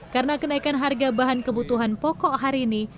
karena kenaikan harga bahan kebutuhan pokok hari ini